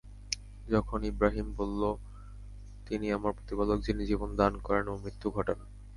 যখন ইবরাহীম বলল, তিনি আমার প্রতিপালক যিনি জীবন দান করেন ও মৃত্যু ঘটান।